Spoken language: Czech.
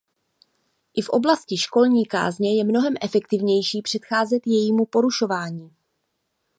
I v oblasti školní kázně je mnohem efektivnější předcházet jejímu porušování.